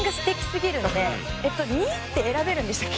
２って選べるんでしたっけ？